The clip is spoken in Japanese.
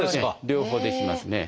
両方できますね。